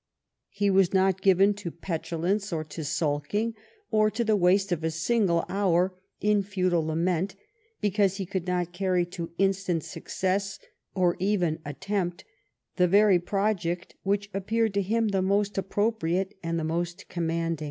He was not given to petulance, or to sulking, or to the waste of a single hour in futile lament because he could not carry to instant success, or even attempt, the very project which appeared to him the most appropriate and the most commanding.